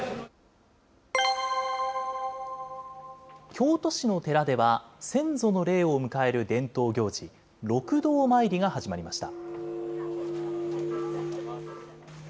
京都市の寺では、先祖の霊を迎える伝統行事、六道まいりが始まりました。